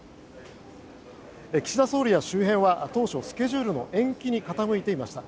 岸田総理や周辺は当初スケジュールの延期に傾いていました。